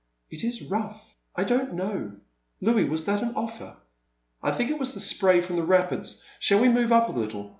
"It is rough ; I don't know, — Louis, was that an offer? I think it was the spray from the rapids. Shall we move up a little